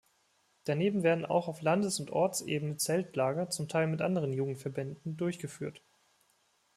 Daneben werden auch auf Landes- und Ortsebene Zeltlager, zum Teil mit anderen Jugendverbänden, durchgeführt.